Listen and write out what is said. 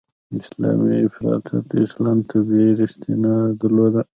اسلامي افراطیت اصلاً طبیعي ریښه نه درلوده.